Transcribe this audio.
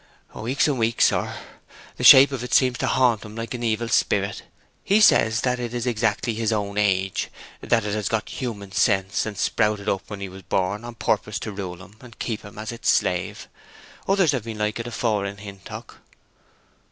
"Weeks and weeks, sir. The shape of it seems to haunt him like an evil spirit. He says that it is exactly his own age, that it has got human sense, and sprouted up when he was born on purpose to rule him, and keep him as its slave. Others have been like it afore in Hintock."